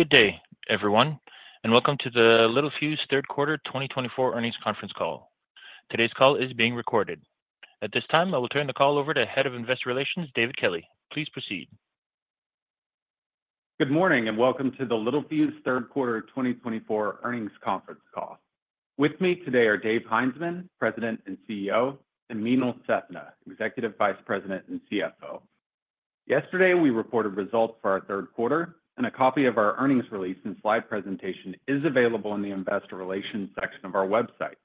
Good day, everyone, and welcome to the Littelfuse Third Quarter 2024 Earnings Conference Call. Today's call is being recorded. At this time, I will turn the call over to Head of Investor Relations, David Kelley. Please proceed. Good morning and welcome to the Littelfuse Third Quarter 2024 Earnings Conference Call. With me today are Dave Heinzmann, President and CEO, and Meenal Sethna, Executive Vice President and CFO. Yesterday, we reported results for our Q3, and a copy of our earnings release and slide presentation is available in the Investor Relations section of our website.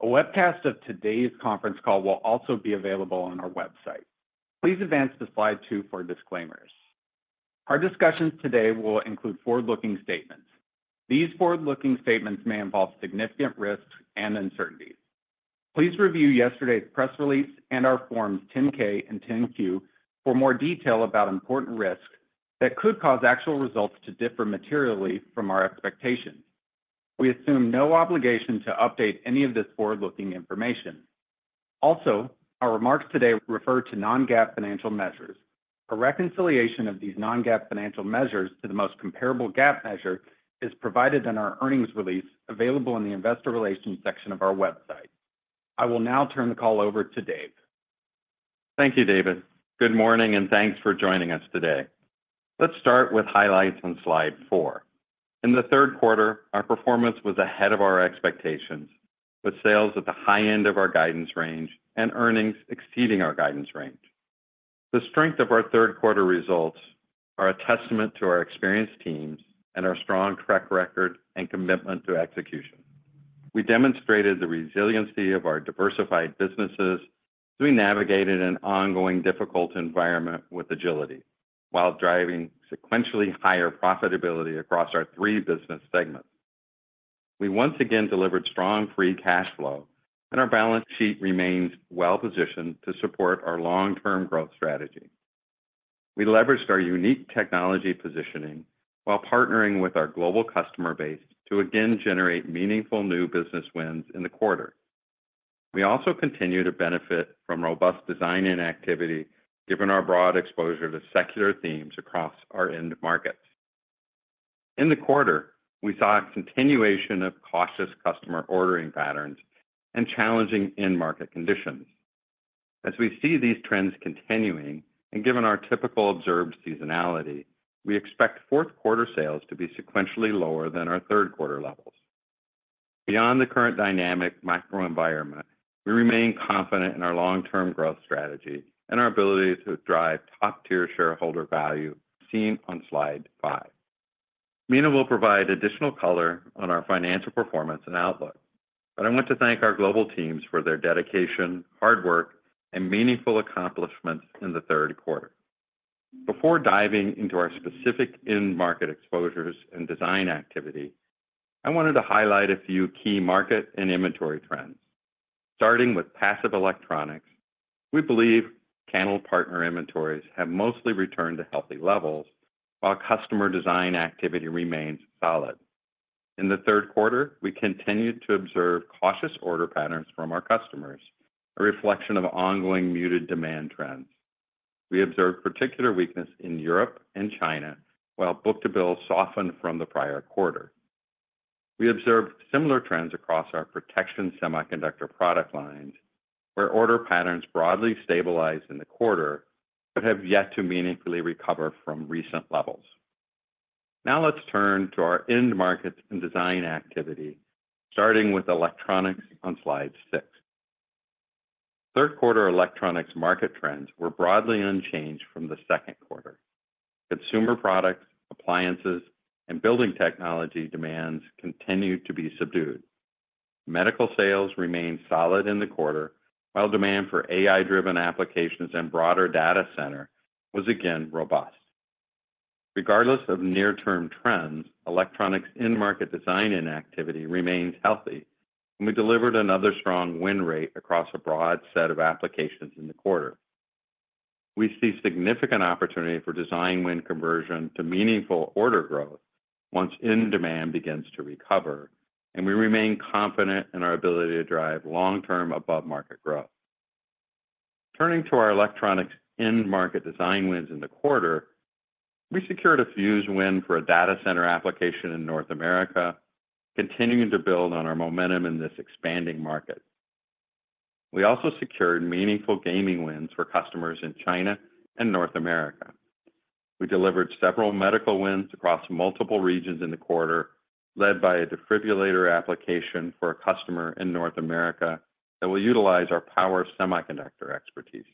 A webcast of today's conference call will also be available on our website. Please advance the slide two for disclaimers. Our discussions today will include forward-looking statements. These forward-looking statements may involve significant risks and uncertainties. Please review yesterday's press release and our Forms 10-K and 10-Q for more detail about important risks that could cause actual results to differ materially from our expectations. We assume no obligation to update any of this forward-looking information. Also, our remarks today refer to non-GAAP financial measures. A reconciliation of these non-GAAP financial measures to the most comparable GAAP measure is provided in our earnings release available in the Investor Relations section of our website. I will now turn the call over to Dave. Thank you, David. Good morning and thanks for joining us today. Let's start with highlights on slide four. In the Q3, our performance was ahead of our expectations, with sales at the high end of our guidance range and earnings exceeding our guidance range. The strength of our Q3 results are a testament to our experienced teams and our strong track record and commitment to execution. We demonstrated the resiliency of our diversified businesses as we navigated an ongoing difficult environment with agility while driving sequentially higher profitability across our three business segments. We once again delivered strong free cash flow, and our balance sheet remains well-positioned to support our long-term growth strategy. We leveraged our unique technology positioning while partnering with our global customer base to again generate meaningful new business wins in the quarter. We also continue to benefit from robust design and activity, given our broad exposure to secular themes across our end markets. In the quarter, we saw a continuation of cautious customer ordering patterns and challenging end market conditions. As we see these trends continuing and given our typical observed seasonality, we expect Q4 sales to be sequentially lower than our Q3 levels. Beyond the current dynamic macro environment, we remain confident in our long-term growth strategy and our ability to drive top-tier shareholder value seen on slide five. Meenal will provide additional color on our financial performance and outlook, but I want to thank our global teams for their dedication, hard work, and meaningful accomplishments in the Q3. Before diving into our specific end market exposures and design activity, I wanted to highlight a few key market and inventory trends. Starting with passive electronics, we believe channel partner inventories have mostly returned to healthy levels while customer design activity remains solid. In the Q3, we continued to observe cautious order patterns from our customers, a reflection of ongoing muted demand trends. We observed particular weakness in Europe and China while book-to-bill softened from the prior quarter. We observed similar trends across our protection semiconductor product lines, where order patterns broadly stabilized in the quarter but have yet to meaningfully recover from recent levels. Now let's turn to our end markets and design activity, starting with electronics on slide six. Third quarter electronics market trends were broadly unchanged from the Q2. Consumer products, appliances, and building technology demands continued to be subdued. Medical sales remained solid in the quarter while demand for AI-driven applications and broader data center was again robust. Regardless of near-term trends, electronics end-market design activity remained healthy, and we delivered another strong win rate across a broad set of applications in the quarter. We see significant opportunity for design win conversion to meaningful order growth once end demand begins to recover, and we remain confident in our ability to drive long-term above-market growth. Turning to our electronics end-market design wins in the quarter, we secured a fuse win for a data center application in North America, continuing to build on our momentum in this expanding market. We also secured meaningful gaming wins for customers in China and North America. We delivered several medical wins across multiple regions in the quarter, led by a defibrillator application for a customer in North America that will utilize our power semiconductor expertise.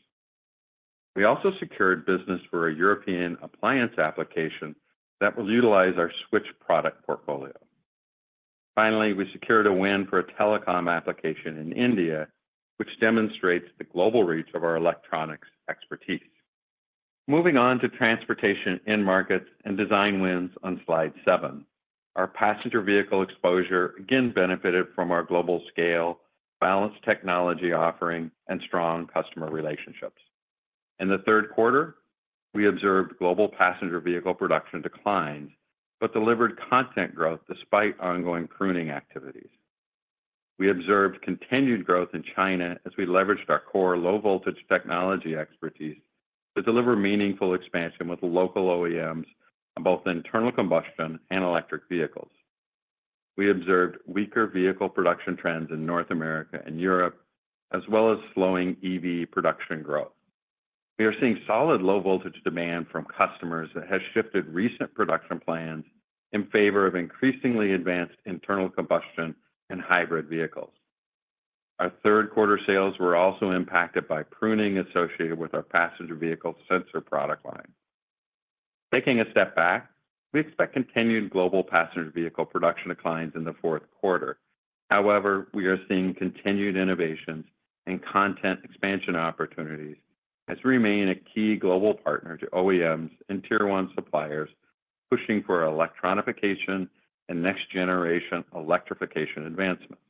We also secured business for a European appliance application that will utilize our switch product portfolio. Finally, we secured a win for a telecom application in India, which demonstrates the global reach of our electronics expertise. Moving on to transportation end markets and design wins on slide seven, our passenger vehicle exposure again benefited from our global scale, balanced technology offering, and strong customer relationships. In the Q3, we observed global passenger vehicle production declines but delivered content growth despite ongoing pruning activities. We observed continued growth in China as we leveraged our core low-voltage technology expertise to deliver meaningful expansion with local OEMs on both internal combustion and electric vehicles. We observed weaker vehicle production trends in North America and Europe, as well as slowing EV production growth. We are seeing solid low-voltage demand from customers that has shifted recent production plans in favor of increasingly advanced internal combustion and hybrid vehicles. Our Q3 sales were also impacted by pruning associated with our passenger vehicle sensor product line. Taking a step back, we expect continued global passenger vehicle production declines in the Q4. However, we are seeing continued innovations and content expansion opportunities as we remain a key global partner to OEMs and Tier 1 suppliers pushing for electronification and next-generation electrification advancements.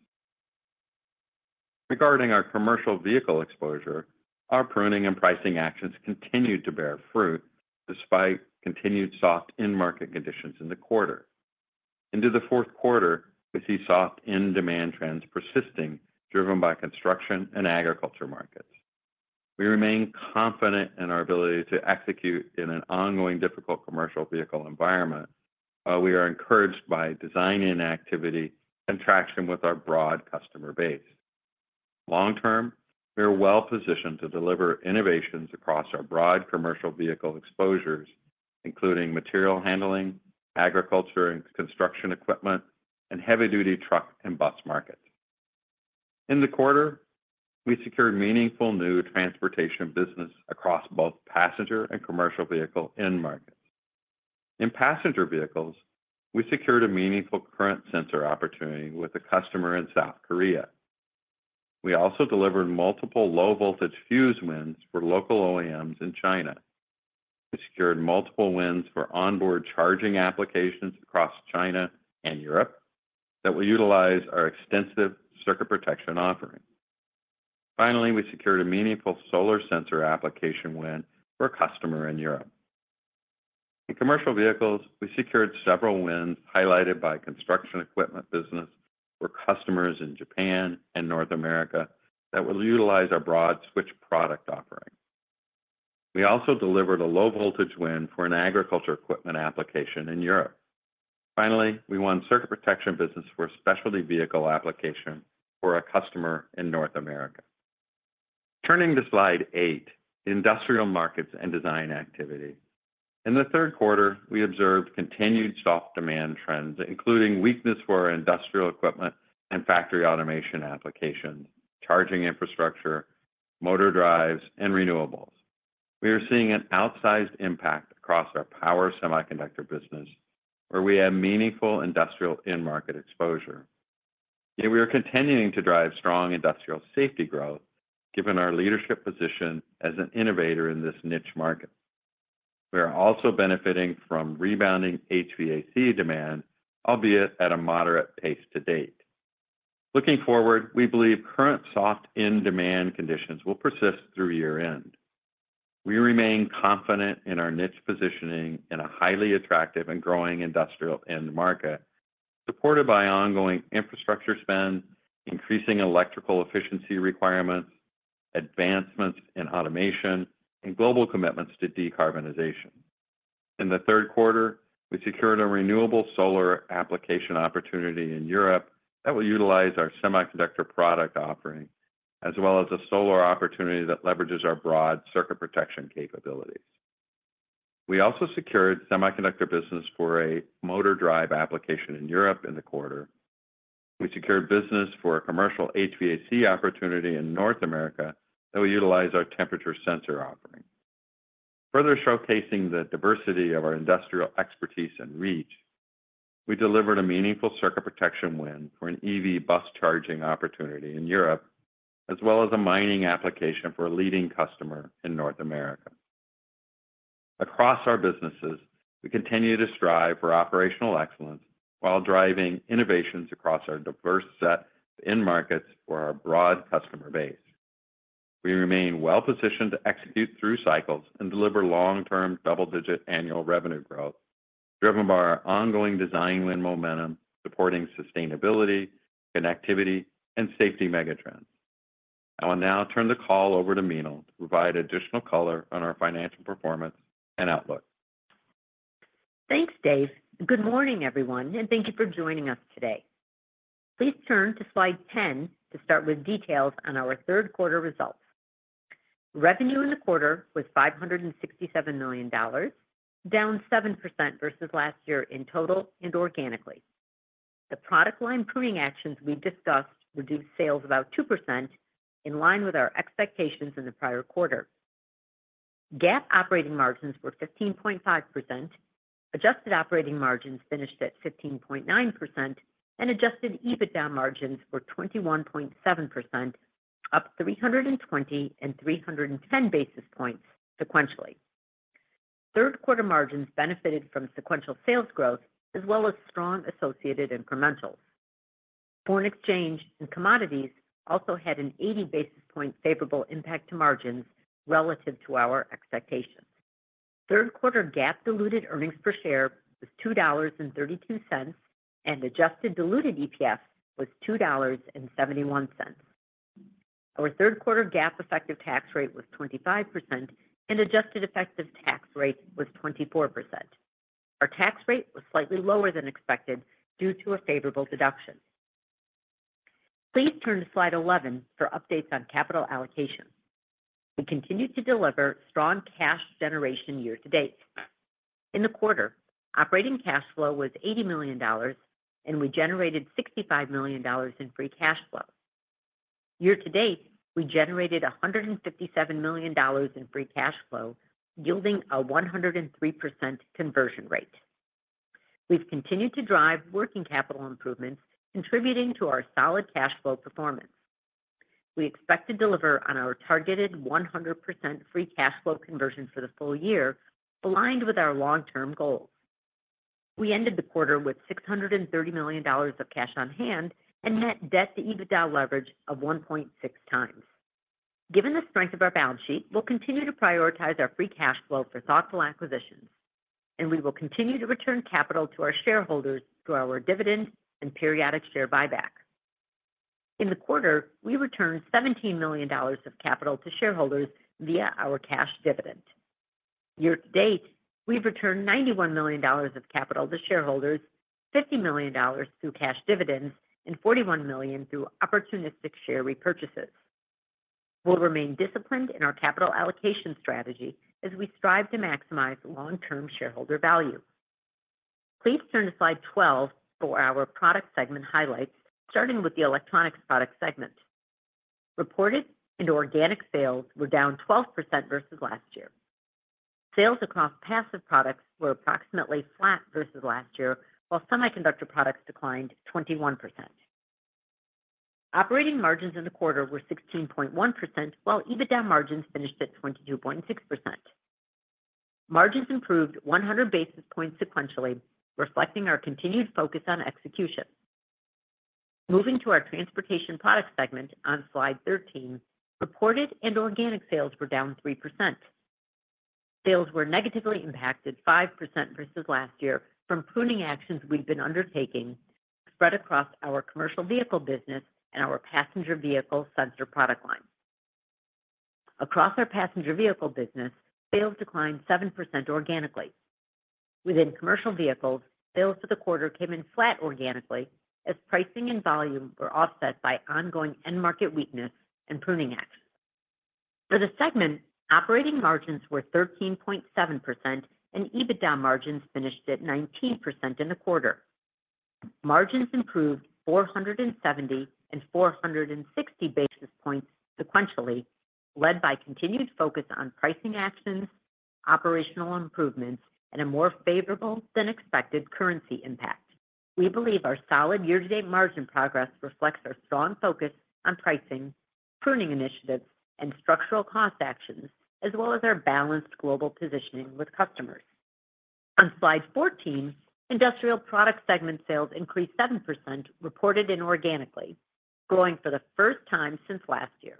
Regarding our commercial vehicle exposure, our pruning and pricing actions continued to bear fruit despite continued soft end market conditions in the quarter. Into the Q4, we see soft end demand trends persisting, driven by construction and agriculture markets. We remain confident in our ability to execute in an ongoing difficult commercial vehicle environment while we are encouraged by design activity and traction with our broad customer base. Long-term, we are well-positioned to deliver innovations across our broad commercial vehicle exposures, including material handling, agriculture and construction equipment, and heavy-duty truck and bus markets. In the quarter, we secured meaningful new transportation business across both passenger and commercial vehicle end markets. In passenger vehicles, we secured a meaningful current sensor opportunity with a customer in South Korea. We also delivered multiple low-voltage fused wins for local OEMs in China. We secured multiple wins for onboard charging applications across China and Europe that will utilize our extensive circuit protection offering. Finally, we secured a meaningful solar sensor application win for a customer in Europe. In commercial vehicles, we secured several wins highlighted by construction equipment business for customers in Japan and North America that will utilize our broad switch product offering. We also delivered a low-voltage win for an agriculture equipment application in Europe. Finally, we won circuit protection business for a specialty vehicle application for a customer in North America. Turning to slide eight, industrial markets and design activity. In the Q3, we observed continued soft demand trends, including weakness for industrial equipment and factory automation applications, charging infrastructure, motor drives, and renewables. We are seeing an outsized impact across our power semiconductor business, where we have meaningful industrial end market exposure. Yet we are continuing to drive strong industrial safety growth, given our leadership position as an innovator in this niche market. We are also benefiting from rebounding HVAC demand, albeit at a moderate pace to date. Looking forward, we believe current soft end demand conditions will persist through year-end. We remain confident in our niche positioning in a highly attractive and growing industrial end market, supported by ongoing infrastructure spend, increasing electrical efficiency requirements, advancements in automation, and global commitments to decarbonization. In the Q3, we secured a renewable solar application opportunity in Europe that will utilize our semiconductor product offering, as well as a solar opportunity that leverages our broad circuit protection capabilities. We also secured semiconductor business for a motor drive application in Europe in the quarter. We secured business for a commercial HVAC opportunity in North America that will utilize our temperature sensor offering. Further showcasing the diversity of our industrial expertise and reach, we delivered a meaningful circuit protection win for an EV bus charging opportunity in Europe, as well as a mining application for a leading customer in North America. Across our businesses, we continue to strive for operational excellence while driving innovations across our diverse set of end markets for our broad customer base. We remain well-positioned to execute through cycles and deliver long-term double-digit annual revenue growth, driven by our ongoing design win momentum supporting sustainability, connectivity, and safety megatrends. I will now turn the call over to Meenal to provide additional color on our financial performance and outlook. Thanks, Dave. Good morning, everyone, and thank you for joining us today. Please turn to slide 10 to start with details on our Q3 results. Revenue in the quarter was $567 million, down 7% versus last year in total and organically. The product line pruning actions we discussed reduced sales about 2%, in line with our expectations in the prior quarter. GAAP operating margins were 15.5%, adjusted operating margins finished at 15.9%, and adjusted EBITDA margins were 21.7%, up 320 and 310 basis points sequentially. Third quarter margins benefited from sequential sales growth, as well as strong associated incrementals. Foreign exchange and commodities also had an 80 basis point favorable impact to margins relative to our expectations. Third quarter GAAP diluted earnings per share was $2.32, and adjusted diluted EPS was $2.71. Our Q3 GAAP effective tax rate was 25%, and adjusted effective tax rate was 24%. Our tax rate was slightly lower than expected due to a favorable deduction. Please turn to slide 11 for updates on capital allocation. We continue to deliver strong cash generation year-to-date. In the quarter, operating cash flow was $80 million, and we generated $65 million in free cash flow. Year-to-date, we generated $157 million in free cash flow, yielding a 103% conversion rate. We've continued to drive working capital improvements, contributing to our solid cash flow performance. We expect to deliver on our targeted 100% free cash flow conversion for the full year, aligned with our long-term goals. We ended the quarter with $630 million of cash on hand and net debt-to-EBITDA leverage of 1.6 times. Given the strength of our balance sheet, we'll continue to prioritize our free cash flow for thoughtful acquisitions, and we will continue to return capital to our shareholders through our dividend and periodic share buyback. In the quarter, we returned $17 million of capital to shareholders via our cash dividend. Year-to-date, we've returned $91 million of capital to shareholders, $50 million through cash dividends, and $41 million through opportunistic share repurchases. We'll remain disciplined in our capital allocation strategy as we strive to maximize long-term shareholder value. Please turn to slide 12 for our product segment highlights, starting with the electronics product segment. Reported and organic sales were down 12% versus last year. Sales across passive products were approximately flat versus last year, while semiconductor products declined 21%. Operating margins in the quarter were 16.1%, while EBITDA margins finished at 22.6%. Margins improved 100 basis points sequentially, reflecting our continued focus on execution. Moving to our transportation product segment on slide 13, reported and organic sales were down 3%. Sales were negatively impacted 5% versus last year from pruning actions we've been undertaking spread across our commercial vehicle business and our passenger vehicle sensor product line. Across our passenger vehicle business, sales declined 7% organically. Within commercial vehicles, sales for the quarter came in flat organically as pricing and volume were offset by ongoing end market weakness and pruning actions. For the segment, operating margins were 13.7%, and EBITDA margins finished at 19% in the quarter. Margins improved 470 and 460 basis points sequentially, led by continued focus on pricing actions, operational improvements, and a more favorable than expected currency impact. We believe our solid year-to-date margin progress reflects our strong focus on pricing, pruning initiatives, and structural cost actions, as well as our balanced global positioning with customers. On slide 14, industrial product segment sales increased 7%, reported and organically, growing for the first time since last year.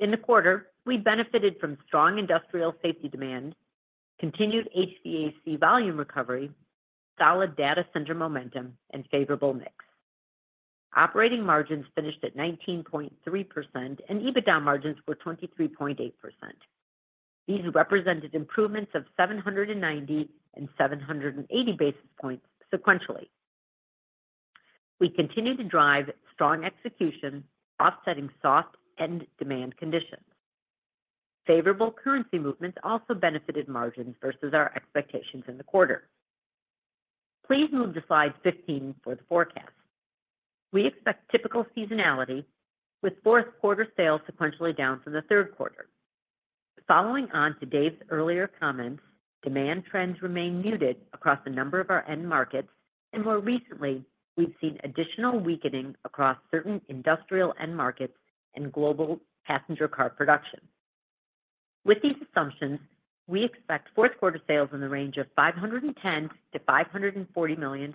In the quarter, we benefited from strong industrial safety demand, continued HVAC volume recovery, solid data center momentum, and favorable mix. Operating margins finished at 19.3%, and EBITDA margins were 23.8%. These represented improvements of 790 and 780 basis points sequentially. We continue to drive strong execution, offsetting soft end demand conditions. Favorable currency movements also benefited margins versus our expectations in the quarter. Please move to slide 15 for the forecast. We expect typical seasonality, with Q4 sales sequentially down from the Q3. Following on to Dave's earlier comments, demand trends remain muted across a number of our end markets, and more recently, we've seen additional weakening across certain industrial end markets and global passenger car production. With these assumptions, we expect Q4 sales in the range of $510-540 million.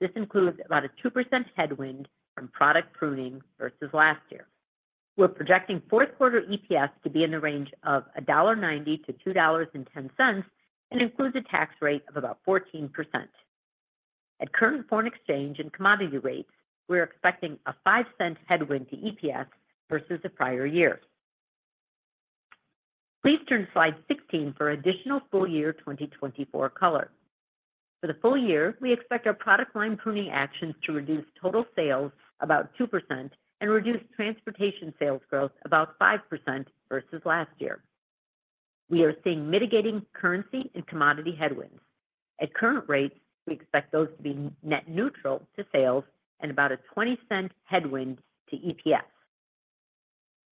This includes about a 2% headwind from product pruning versus last year. We're projecting Q4 EPS to be in the range of $1.90-2.10 and includes a tax rate of about 14%. At current foreign exchange and commodity rates, we're expecting a $0.05 headwind to EPS versus the prior year. Please turn to slide 16 for additional full-year 2024 color. For the full year, we expect our product line pruning actions to reduce total sales about 2% and reduce transportation sales growth about 5% versus last year. We are seeing mitigating currency and commodity headwinds. At current rates, we expect those to be net neutral to sales and about a $0.20 headwind to EPS.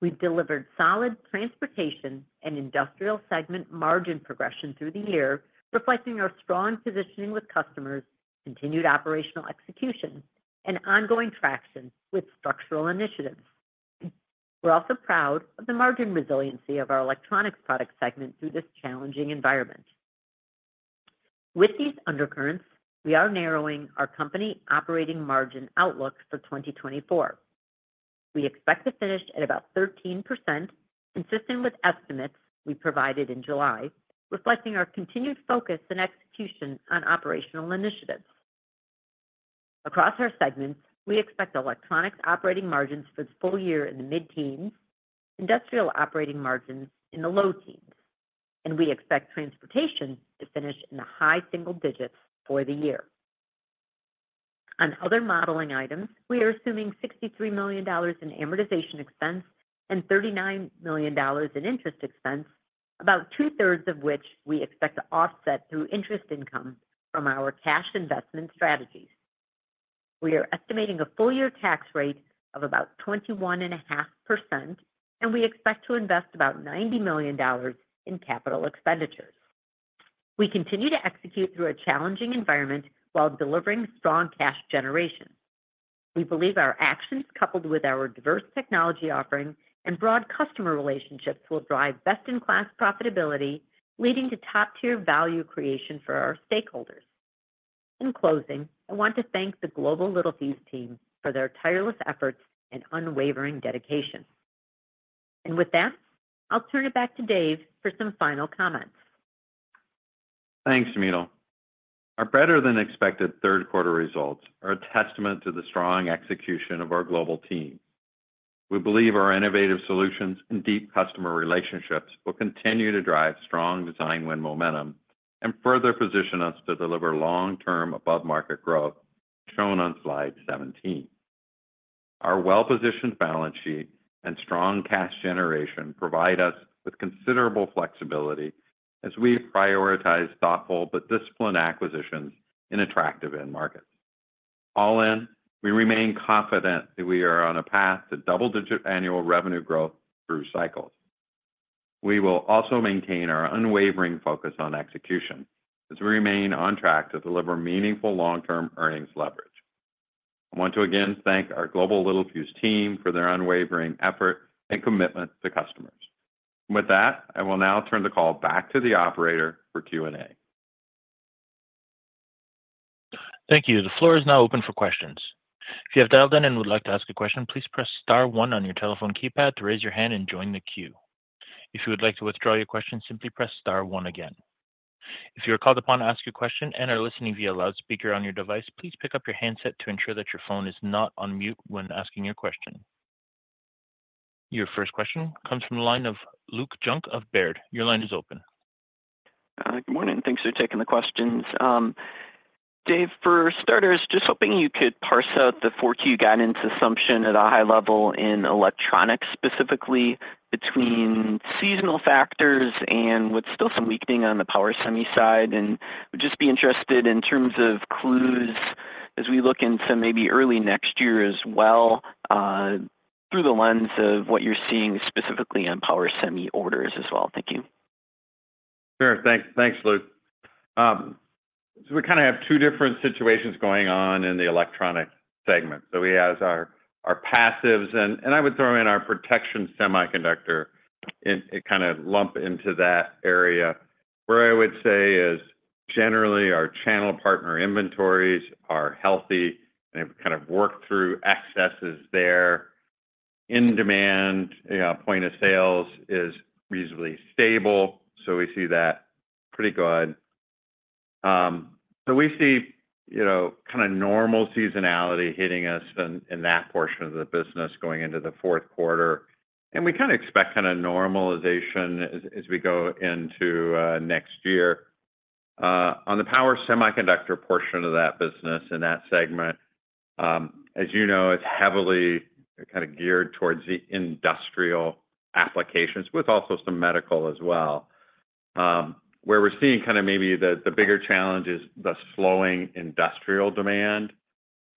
We've delivered solid transportation and industrial segment margin progression through the year, reflecting our strong positioning with customers, continued operational execution, and ongoing traction with structural initiatives. We're also proud of the margin resiliency of our electronics product segment through this challenging environment. With these undercurrents, we are narrowing our company operating margin outlook for 2024. We expect to finish at about 13%, consistent with estimates we provided in July, reflecting our continued focus and execution on operational initiatives. Across our segments, we expect electronics operating margins for the full year in the mid-teens, industrial operating margins in the low-teens, and we expect transportation to finish in the high single digits for the year. On other modeling items, we are assuming $63 million in amortization expense and $39 million in interest expense, about two-thirds of which we expect to offset through interest income from our cash investment strategies. We are estimating a full-year tax rate of about 21.5%, and we expect to invest about $90 million in capital expenditures. We continue to execute through a challenging environment while delivering strong cash generation. We believe our actions, coupled with our diverse technology offering and broad customer relationships, will drive best-in-class profitability, leading to top-tier value creation for our stakeholders. In closing, I want to thank the Global Littelfuse team for their tireless efforts and unwavering dedication. And with that, I'll turn it back to Dave for some final comments. Thanks, Meenal. Our better-than-expected Q3 results are a testament to the strong execution of our global team. We believe our innovative solutions and deep customer relationships will continue to drive strong design win momentum and further position us to deliver long-term above-market growth shown on slide 17. Our well-positioned balance sheet and strong cash generation provide us with considerable flexibility as we prioritize thoughtful but disciplined acquisitions in attractive end markets. All in, we remain confident that we are on a path to double-digit annual revenue growth through cycles. We will also maintain our unwavering focus on execution as we remain on track to deliver meaningful long-term earnings leverage. I want to again thank our global Littelfuse team for their unwavering effort and commitment to customers. With that, I will now turn the call back to the operator for Q&A. Thank you. The floor is now open for questions. If you have dialed in and would like to ask a question, please press star one on your telephone keypad to raise your hand and join the queue. If you would like to withdraw your question, simply press star one again. If you are called upon to ask your question and are listening via loudspeaker on your device, please pick up your handset to ensure that your phone is not on mute when asking your question. Your first question comes from the line of Luke Junk of Baird. Your line is open. Good morning. Thanks for taking the questions. Dave, for starters, just hoping you could parse out the Q4 guidance assumption at a high level in electronics, specifically between seasonal factors and with still some weakening on the power semi side. And we'd just be interested in terms of clues as we look into maybe early next year as well through the lens of what you're seeing specifically on power semi orders as well. Thank you. Sure. Thanks, Luke. So we kind of have two different situations going on in the electronics segment. So we have our passives, and I would throw in our protection semiconductor. It kind of lumped into that area. Where I would say is generally our channel partner inventories are healthy, and they've kind of worked through excesses there. End-demand point of sales is reasonably stable, so we see that pretty good. So we see kind of normal seasonality hitting us in that portion of the business going into the Q4. And we kind of expect kind of normalization as we go into next year. On the power semiconductor portion of that business in that segment, as you know, it's heavily kind of geared towards the industrial applications with also some medical as well. Where we're seeing kind of maybe the bigger challenge is the slowing industrial demand,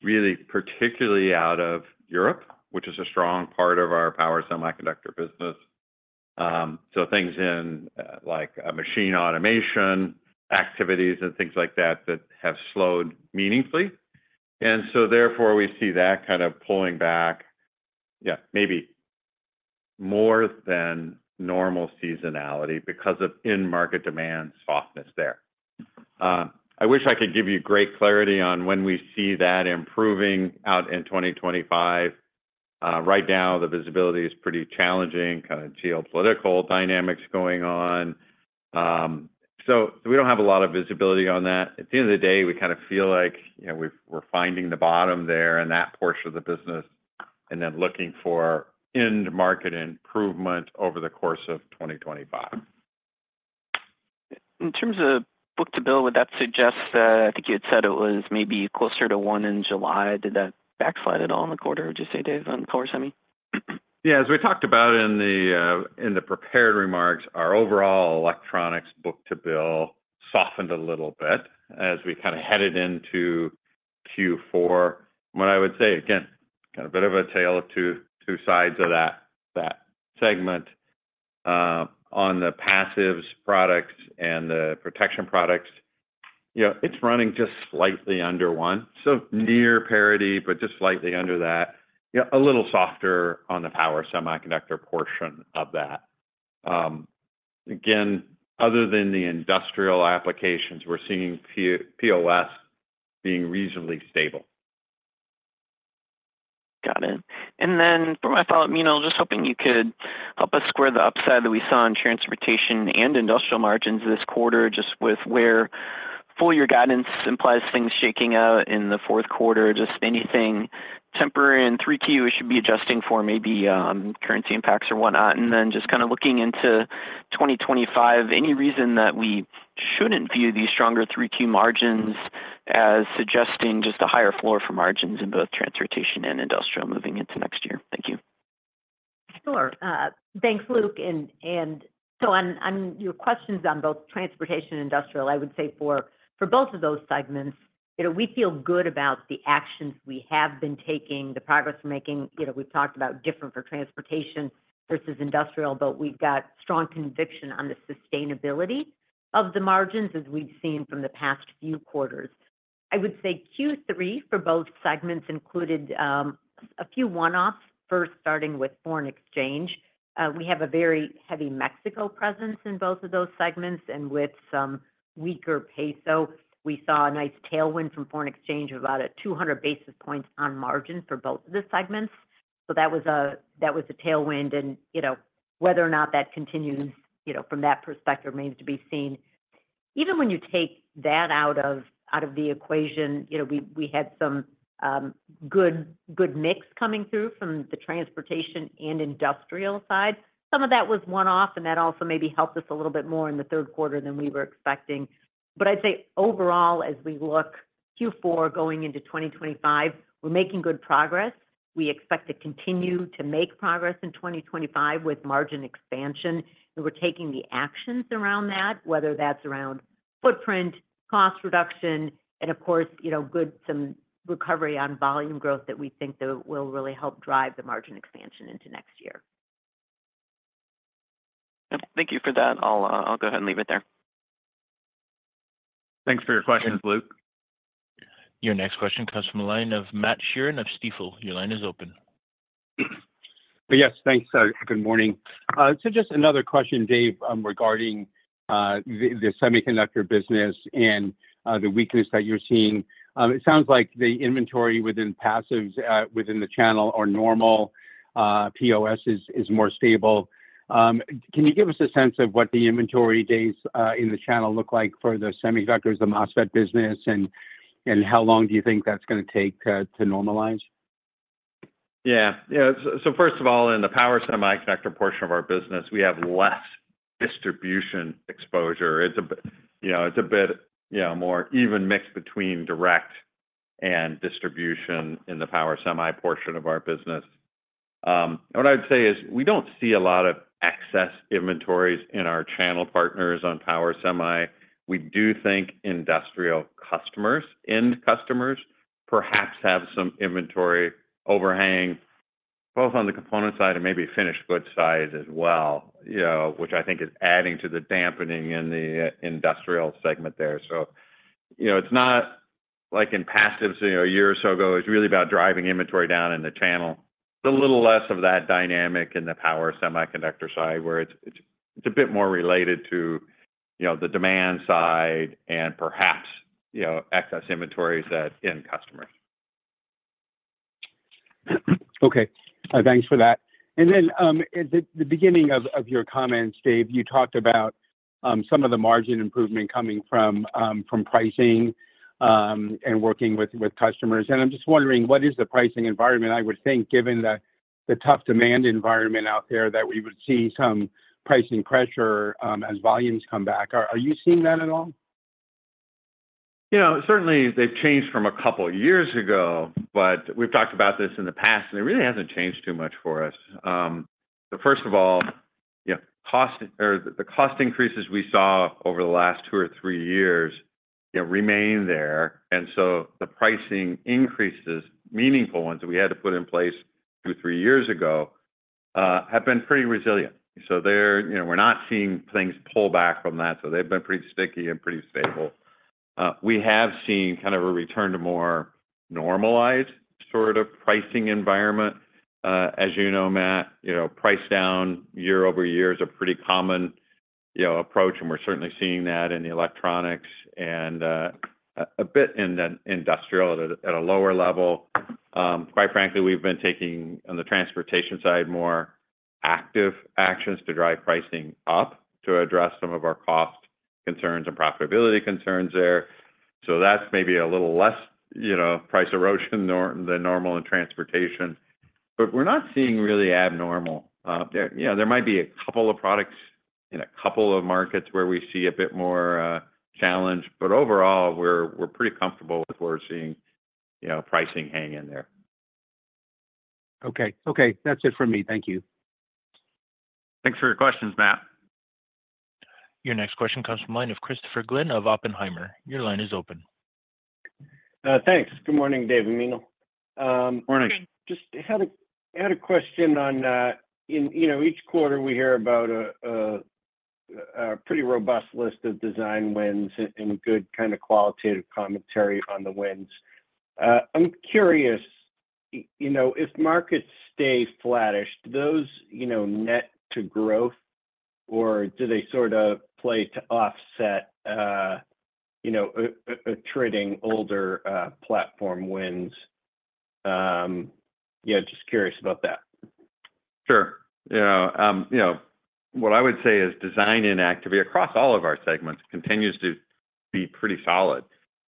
really particularly out of Europe, which is a strong part of our power semiconductor business. So things in like machine automation activities and things like that that have slowed meaningfully. And so therefore, we see that kind of pulling back, yeah, maybe more than normal seasonality because of in-market demand softness there. I wish I could give you great clarity on when we see that improving out in 2025. Right now, the visibility is pretty challenging, kind of geopolitical dynamics going on. So we don't have a lot of visibility on that. At the end of the day, we kind of feel like we're finding the bottom there in that portion of the business and then looking for end market improvement over the course of 2025. In terms of book-to-bill, would that suggest that I think you had said it was maybe closer to one in July? Did that backslide at all in the quarter, would you say, Dave, on power semi? Yeah. As we talked about in the prepared remarks, our overall electronics book-to-bill softened a little bit as we kind of headed into Q4. What I would say, again, kind of a bit of a tale of two sides of that segment. On the passives products and the protection products, it's running just slightly under one, so near parity, but just slightly under that. A little softer on the power semiconductor portion of that. Again, other than the industrial applications, we're seeing POS being reasonably stable. Got it. And then for my follow-up, Meenal, just hoping you could help us square the upside that we saw in transportation and industrial margins this quarter just with where full-year guidance implies things shaking out in the Q4. Just anything temporary in three-Q, we should be adjusting for maybe currency impacts or whatnot. And then just kind of looking into 2025, any reason that we shouldn't view these stronger three-Q margins as suggesting just a higher floor for margins in both transportation and industrial moving into next year? Thank you. Sure. Thanks, Luke. And so your questions on both transportation and industrial, I would say for both of those segments, we feel good about the actions we have been taking, the progress we're making. We've talked about different for transportation versus industrial, but we've got strong conviction on the sustainability of the margins as we've seen from the past few quarters. I would say Q3 for both segments included a few one-offs, first starting with foreign exchange. We have a very heavy Mexico presence in both of those segments, and with some weaker peso, we saw a nice tailwind from foreign exchange of about 200 basis points on margin for both of the segments. So that was a tailwind. And whether or not that continues from that perspective remains to be seen. Even when you take that out of the equation, we had some good mix coming through from the transportation and industrial side. Some of that was one-off, and that also maybe helped us a little bit more in the Q3 than we were expecting. But I'd say overall, as we look Q4 going into 2025, we're making good progress. We expect to continue to make progress in 2025 with margin expansion. And we're taking the actions around that, whether that's around footprint, cost reduction, and of course, some good recovery on volume growth that we think will really help drive the margin expansion into next year. Thank you for that. I'll go ahead and leave it there. Thanks for your questions, Luke. Your next question comes from the line of Matt Sheerin of Stifel. Your line is open. Yes. Thanks. Good morning. So just another question, Dave, regarding the semiconductor business and the weakness that you're seeing. It sounds like the inventory within passives within the channel are normal. POS is more stable. Can you give us a sense of what the inventory days in the channel look like for the semiconductors, the MOSFET business, and how long do you think that's going to take to normalize? Yeah. Yeah. So first of all, in the power semiconductor portion of our business, we have less distribution exposure. It's a bit more even mix between direct and distribution in the power semi portion of our business. What I would say is we don't see a lot of excess inventories in our channel partners on power semi. We do think industrial customers, end customers, perhaps have some inventory overhang both on the component side and maybe finished goods side as well, which I think is adding to the dampening in the industrial segment there. So it's not like in passives a year or so ago. It's really about driving inventory down in the channel. It's a little less of that dynamic in the power semiconductor side where it's a bit more related to the demand side and perhaps excess inventories at end customers. Okay. Thanks for that. And then at the beginning of your comments, Dave, you talked about some of the margin improvement coming from pricing and working with customers. And I'm just wondering, what is the pricing environment? I would think, given the tough demand environment out there, that we would see some pricing pressure as volumes come back. Are you seeing that at all? Certainly, they've changed from a couple of years ago, but we've talked about this in the past, and it really hasn't changed too much for us. First of all, the cost increases we saw over the last two or three years remain there, and so the pricing increases, meaningful ones that we had to put in place two or three years ago, have been pretty resilient, so we're not seeing things pull back from that, so they've been pretty sticky and pretty stable. We have seen kind of a return to more normalized sort of pricing environment. As you know, Matt, price down year over year is a pretty common approach, and we're certainly seeing that in the electronics and a bit in the industrial at a lower level. Quite frankly, we've been taking on the transportation side more active actions to drive pricing up to address some of our cost concerns and profitability concerns there. So that's maybe a little less price erosion than normal in transportation. But we're not seeing really abnormal. There might be a couple of products in a couple of markets where we see a bit more challenge, but overall, we're pretty comfortable with where we're seeing pricing hang in there. Okay. Okay. That's it for me. Thank you. Thanks for your questions, Matt. Your next question comes from the line of Christopher Glynn of Oppenheimer. Your line is open. Thanks. Good morning, Dave and Meenal. Morning. Just had a question on each quarter, we hear about a pretty robust list of design wins and good kind of qualitative commentary on the wins. I'm curious, if markets stay flattish, do those net to growth, or do they sort of play to offset a trending older platform wins? Yeah, just curious about that. Sure. Yeah. What I would say is design activity across all of our segments continues to be pretty solid.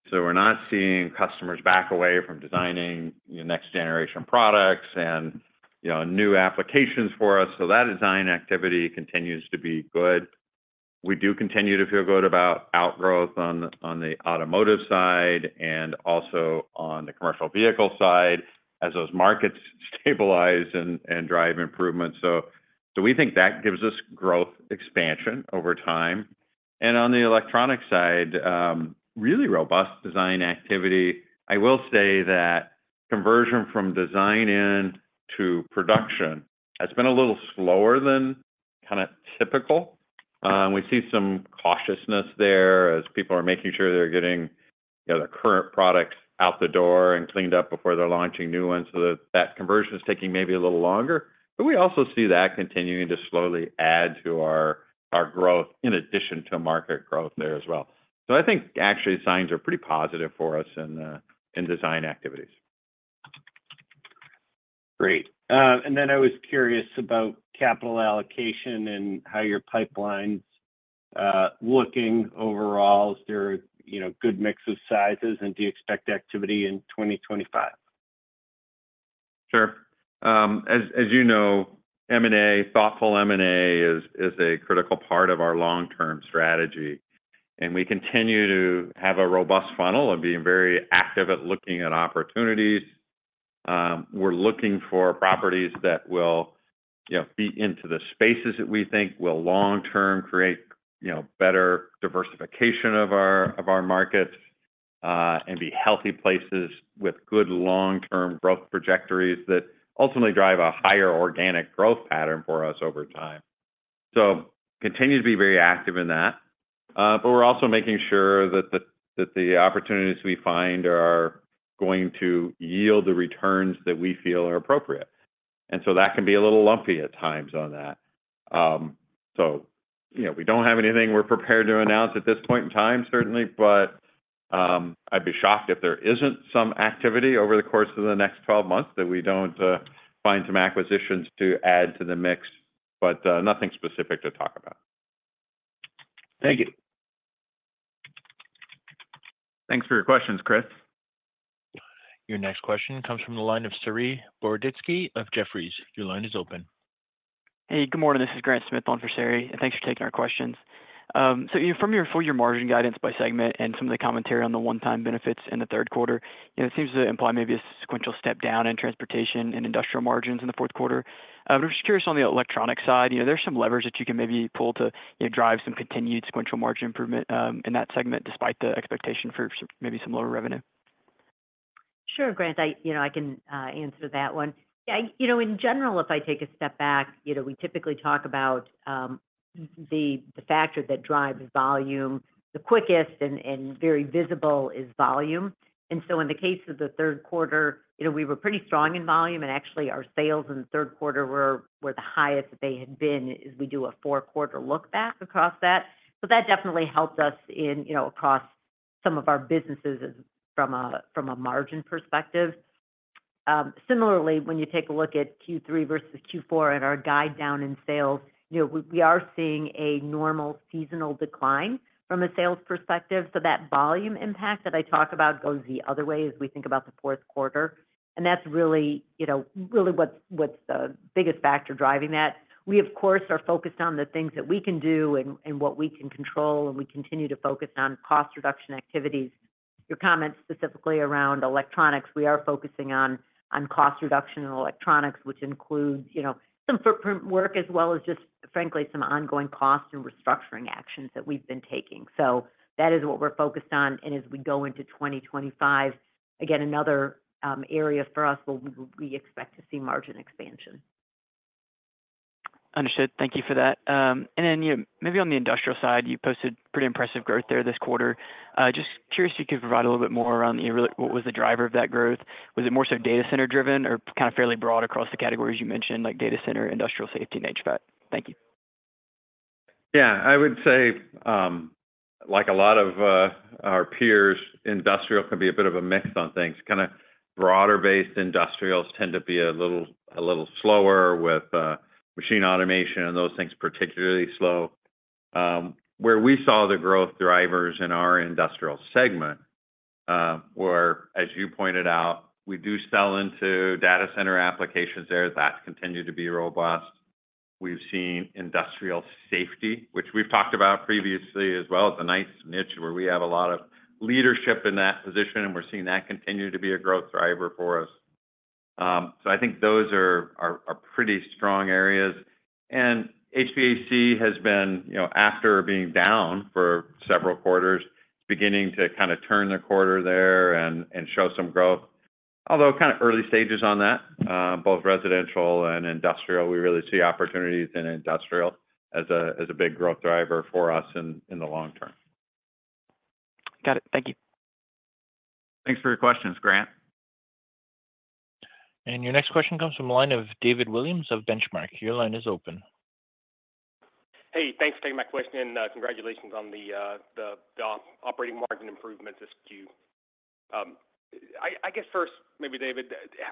So we're not seeing customers back away from designing next-generation products and new applications for us. So that design activity continues to be good. We do continue to feel good about outgrowth on the automotive side and also on the commercial vehicle side as those markets stabilize and drive improvement. So we think that gives us growth expansion over time. And on the electronic side, really robust design activity. I will say that conversion from design in to production has been a little slower than kind of typical. We see some cautiousness there as people are making sure they're getting the current products out the door and cleaned up before they're launching new ones. So that conversion is taking maybe a little longer. But we also see that continuing to slowly add to our growth in addition to market growth there as well. So I think actually signs are pretty positive for us in design activities. Great. And then I was curious about capital allocation and how your pipeline's looking overall. Is there a good mix of sizes, and do you expect activity in 2025? Sure. As you know, thoughtful M&A is a critical part of our long-term strategy, and we continue to have a robust funnel of being very active at looking at opportunities. We're looking for properties that will be into the spaces that we think will long-term create better diversification of our markets and be healthy places with good long-term growth trajectories that ultimately drive a higher organic growth pattern for us over time, so continue to be very active in that. But we're also making sure that the opportunities we find are going to yield the returns that we feel are appropriate, and so that can be a little lumpy at times on that. So we don't have anything we're prepared to announce at this point in time, certainly, but I'd be shocked if there isn't some activity over the course of the next 12 months that we don't find some acquisitions to add to the mix, but nothing specific to talk about. Thank you. Thanks for your questions, Chris. Your next question comes from the line of Saree Boroditsky of Jefferies. Your line is open. Hey, good morning. This is Grant Smith on for Saree. And thanks for taking our questions. So from your full-year margin guidance by segment and some of the commentary on the one-time benefits in the Q3, it seems to imply maybe a sequential step down in transportation and industrial margins in the Q4. But I'm just curious on the electronic side. There's some levers that you can maybe pull to drive some continued sequential margin improvement in that segment despite the expectation for maybe some lower revenue. Sure, Grant. I can answer that one. Yeah. In general, if I take a step back, we typically talk about the factor that drives volume the quickest and very visible is volume. And so in the case of the Q3, we were pretty strong in volume, and actually our sales in the Q3 were the highest that they had been as we do a four-quarter look back across that. So that definitely helped us across some of our businesses from a margin perspective. Similarly, when you take a look at Q3 versus Q4 and our guide down in sales, we are seeing a normal seasonal decline from a sales perspective. So that volume impact that I talk about goes the other way as we think about the Q4. And that's really what's the biggest factor driving that. We, of course, are focused on the things that we can do and what we can control, and we continue to focus on cost reduction activities. Your comments specifically around electronics, we are focusing on cost reduction in electronics, which includes some footprint work as well as just, frankly, some ongoing cost and restructuring actions that we've been taking. So that is what we're focused on. And as we go into 2025, again, another area for us where we expect to see margin expansion. Understood. Thank you for that. And then maybe on the industrial side, you posted pretty impressive growth there this quarter. Just curious if you could provide a little bit more around what was the driver of that growth. Was it more so data center-driven or kind of fairly broad across the categories you mentioned, like data center, industrial safety, and HVAC? Thank you. Yeah. I would say, like a lot of our peers, industrial can be a bit of a mix on things. Kind of broader-based industrials tend to be a little slower with machine automation and those things particularly slow. Where we saw the growth drivers in our industrial segment were, as you pointed out, we do sell into data center applications there. That's continued to be robust. We've seen industrial safety, which we've talked about previously as well. It's a nice niche where we have a lot of leadership in that position, and we're seeing that continue to be a growth driver for us. So I think those are pretty strong areas, and HVAC has been, after being down for several quarters, beginning to kind of turn the corner there and show some growth. Although kind of early stages on that, both residential and industrial, we really see opportunities in industrial as a big growth driver for us in the long term. Got it. Thank you. Thanks for your questions, Grant. Your next question comes from the line of David Williams of Benchmark. Your line is open. Hey, thanks for taking my question. Congratulations on the operating margin improvement this Q. I guess first, maybe, David,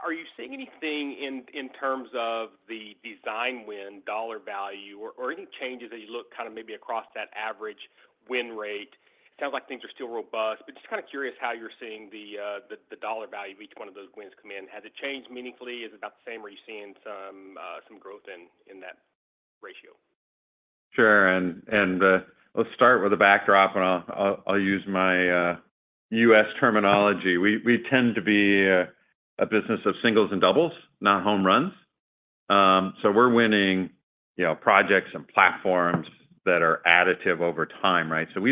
are you seeing anything in terms of the design win, dollar value, or any changes as you look kind of maybe across that average win rate? It sounds like things are still robust, but just kind of curious how you're seeing the dollar value of each one of those wins come in. Has it changed meaningfully? Is it about the same, or are you seeing some growth in that ratio? Sure. And let's start with a backdrop, and I'll use my U.S. terminology. We tend to be a business of singles and doubles, not home runs. So we're winning projects and platforms that are additive over time, right? So we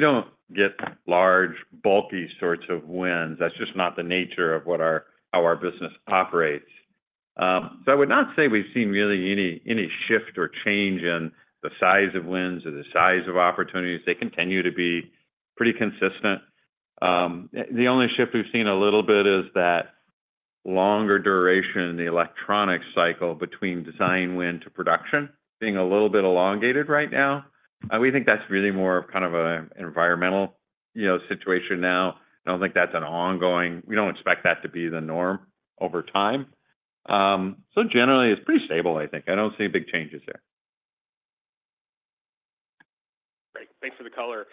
don't get large, bulky sorts of wins. That's just not the nature of how our business operates. So I would not say we've seen really any shift or change in the size of wins or the size of opportunities. They continue to be pretty consistent. The only shift we've seen a little bit is that longer duration in the electronic cycle between design win to production being a little bit elongated right now. We think that's really more of kind of an environmental situation now. I don't think that's an ongoing, we don't expect that to be the norm over time. So generally, it's pretty stable, I think. I don't see big changes there. Great. Thanks for the color.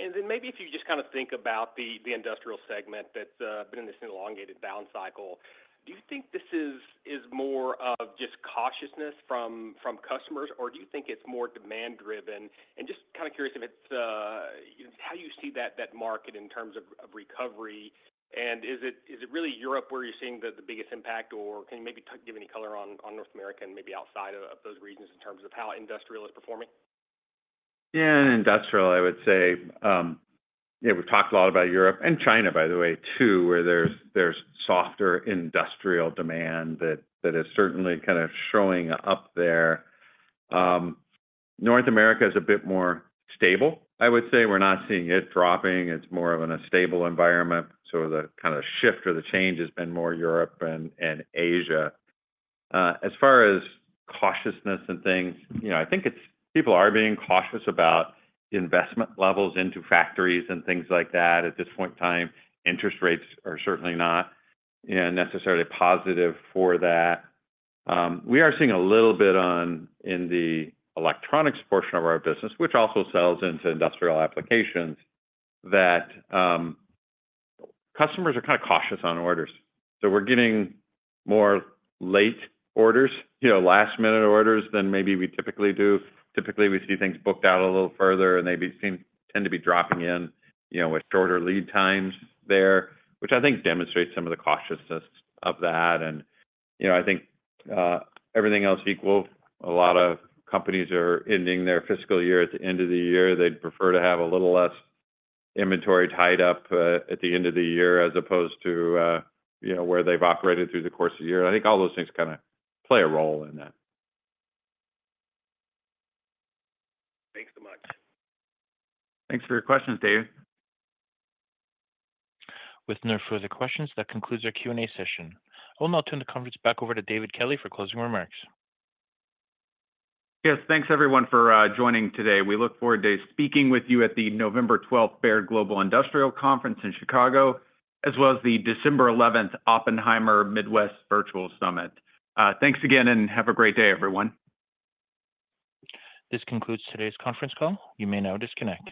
And then maybe if you just kind of think about the industrial segment that's been in this elongated down cycle, do you think this is more of just cautiousness from customers, or do you think it's more demand-driven? And just kind of curious if it's how you see that market in terms of recovery. And is it really Europe where you're seeing the biggest impact, or can you maybe give any color on North America and maybe outside of those regions in terms of how industrial is performing? Yeah. In industrial, I would say we've talked a lot about Europe and China, by the way, too, where there's softer industrial demand that is certainly kind of showing up there. North America is a bit more stable, I would say. We're not seeing it dropping. It's more of a stable environment. So the kind of shift or the change has been more Europe and Asia. As far as cautiousness and things, I think people are being cautious about investment levels into factories and things like that at this point in time. Interest rates are certainly not necessarily positive for that. We are seeing a little bit in the electronics portion of our business, which also sells into industrial applications, that customers are kind of cautious on orders. So we're getting more late orders, last-minute orders than maybe we typically do. Typically, we see things booked out a little further, and they tend to be dropping in with shorter lead times there, which I think demonstrates some of the cautiousness of that, and I think everything else equal, a lot of companies are ending their fiscal year at the end of the year. They'd prefer to have a little less inventory tied up at the end of the year as opposed to where they've operated through the course of the year. I think all those things kind of play a role in that. Thanks so much. Thanks for your questions, Dave. With no further questions, that concludes our Q&A session. I will now turn the conference back over to David Kelley for closing remarks. Yes. Thanks, everyone, for joining today. We look forward to speaking with you at the November 12th Baird Global Industrial Conference in Chicago, as well as the December 11th Oppenheimer Midwest Virtual Summit. Thanks again, and have a great day, everyone. This concludes today's conference call. You may now disconnect.